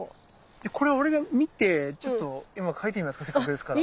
じゃこれは俺が見てちょっと今描いてみますかせっかくですから。